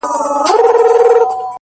ستا د خولې سلام مي د زړه ور مات كړ’